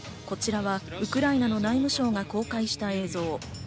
こちらはウクライナの内務省が公開した映像。